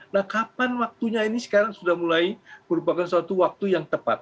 nah kapan waktunya ini sekarang sudah mulai merupakan suatu waktu yang tepat